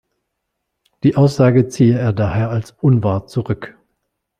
Die Aussage ziehe er daher als unwahr zurück.